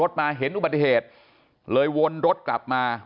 สวัสดีครับ